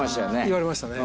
言われましたね。